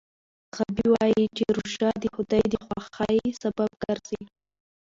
غابي وايي چې روژه د خدای د خوښۍ سبب ګرځي.